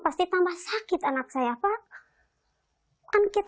pasti tambah sakit anak saya pak